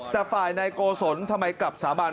แต่ฝ่ายนายโกศลทำไมกลับสาบาน